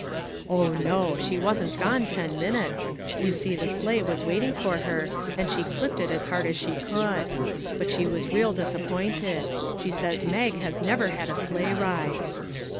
" Oh, no ; she wasn't gone ten minutes ; you see the sleigh was waiting for her, and she clipped it as hard as she could. But she was real disappointed; she says Mag has never had a sleigh ride."